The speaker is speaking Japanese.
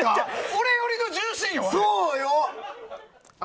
俺寄りの重心よ？